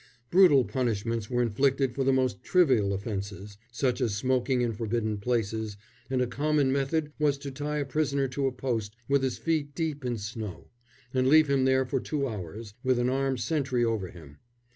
Brutal punishments were inflicted for the most trivial offences, such as smoking in forbidden places, and a common method was to tie a prisoner to a post, with his feet deep in snow, and leave him there for two hours, with an armed sentry over him.